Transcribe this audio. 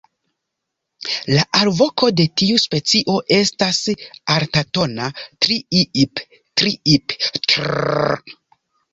La alvoko de tiu specio estas altatona "triiip-triip-trrrrrr".